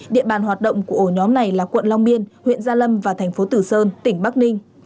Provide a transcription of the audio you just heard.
địa bàn hoạt động của ổ nhóm này là quận long biên huyện gia lâm và thành phố tử sơn tỉnh bắc ninh